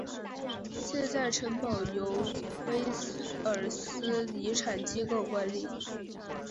现在城堡由威尔斯遗产机构管理。